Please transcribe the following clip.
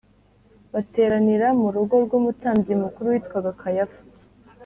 bateranira mu rugo rw’Umutambyi mukuru witwaga Kayafa